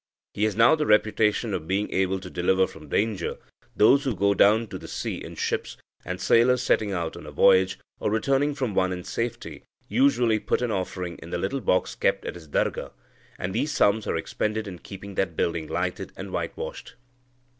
He has now the reputation of being able to deliver from danger those who go down to the sea in ships, and sailors setting out on a voyage, or returning from one in safety, usually put an offering in the little box kept at his darga, and these sums are expended in keeping that building lighted and whitewashed.